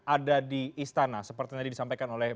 ada di istana seperti tadi disampaikan oleh